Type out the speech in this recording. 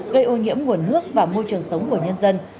gây ô nhiễm nguồn nước và môi trường sống của nhân dân